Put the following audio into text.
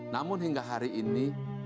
namun hingga hari ini